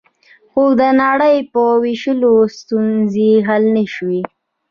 خو د نړۍ په وېشلو ستونزې حل نه شوې